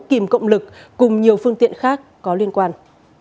kìm cộng lực cùng nhiều phương tiện khác có liên quan